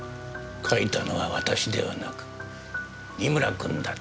書いたのは私ではなく三村君だった。